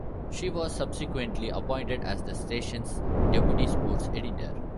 She was subsequently appointed as the station's deputy sports editor.